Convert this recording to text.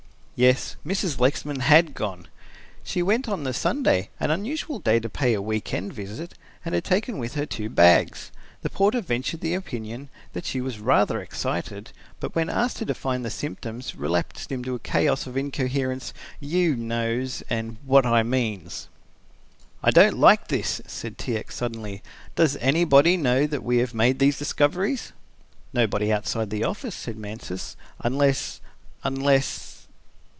Yes, Mrs. Lexman had gone. She went on the Sunday, an unusual day to pay a week end visit, and she had taken with her two bags. The porter ventured the opinion that she was rather excited, but when asked to define the symptoms relapsed into a chaos of incoherent "you knows" and "what I means." "I don't like this," said T. X., suddenly. "Does anybody know that we have made these discoveries?" "Nobody outside the office," said Mansus, "unless, unless..."